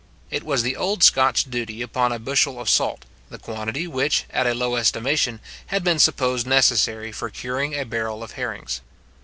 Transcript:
It was the old Scotch duty upon a bushel of salt, the quantity which, at a low estimation, had been supposed necessary for curing a barrel of herrings.